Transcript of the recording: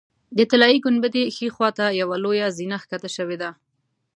د طلایي ګنبدې ښي خوا ته یوه لویه زینه ښکته شوې ده.